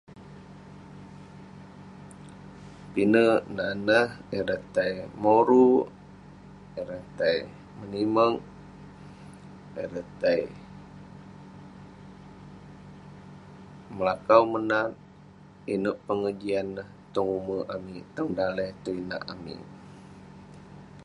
Pinek nan neh..ireh tai moruk, ireh tai menimek, ireh tai melakau menat inouk pengejian neh tong umerk amik ,tong daleh, tong inak amik.